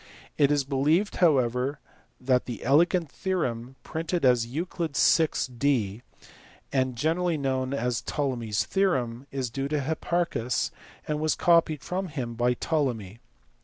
It is believed however that the elegant theorem, printed as Euc. vi. D and generally known as Ptolemy s Theorem, is due to Hipparchus arid was copied from him by Ptolemy.